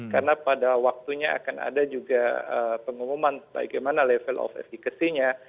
karena pada waktunya akan ada juga pengumuman bagaimana level of efficacy nya